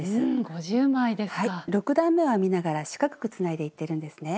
６段めを編みながら四角くつないでいってるんですね。